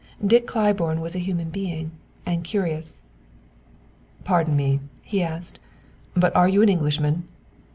Dick Claiborne was a human being, and curious. "Pardon me," he asked, "but are you an Englishman?"